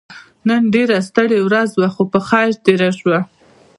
نن ډيره ستړې ورځ وه خو په خير تيره شوه.